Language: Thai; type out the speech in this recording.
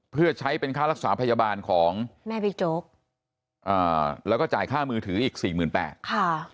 เพื่อใช้เป็นค่ารักษาพยาบาลของแม่บิ๊กโจ๊กแล้วก็จ่ายค่ามือถืออีก๔๘๐๐๐บาท